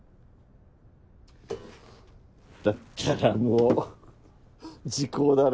だったらもう時効だな。